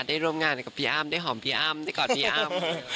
ได้ร่วมงานกับพี่อ้ำได้หอมพี่อ้ำได้กอดพี่อ้ำ